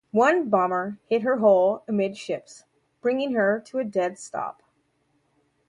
One bomber hit her hull amidships, bringing her to a dead stop.